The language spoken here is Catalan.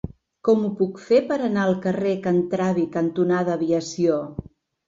Com ho puc fer per anar al carrer Can Travi cantonada Aviació?